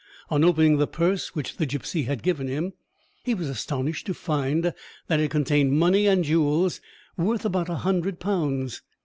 On opening the purse which the gipsy had given him, he was astonished to find that it contained money and jewels worth about a hundred pounds.